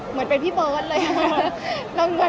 เหมือนเป็นพี่เบิร์ตเลยค่ะ